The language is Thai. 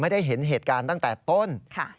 ได้เห็นเหตุการณ์ตั้งแต่ต้น